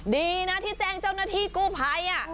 ดีนะที่แจ้งเจ้าหน้าที่กู้ภัย